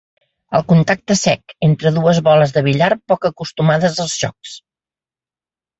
El contacte sec entre dues boles de billar poc acostumades als xocs.